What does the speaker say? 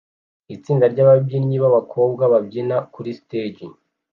Itsinda ryababyinnyi b'abakobwa babyina kuri stage